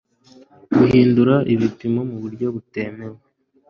guhindura ibipimo mu buryo butemewe